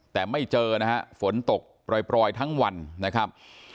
แต่ไม่เจอนะฮะฝนตกปล่อยทั้งวันนะครับ